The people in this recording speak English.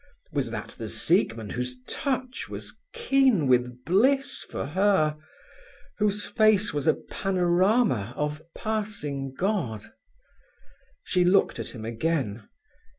Was that the Siegmund whose touch was keen with bliss for her, whose face was a panorama of passing God? She looked at him again.